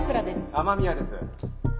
雨宮です。